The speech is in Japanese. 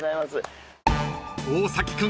［大崎君